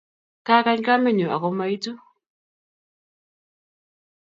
Kagany kamennyu ako ma itu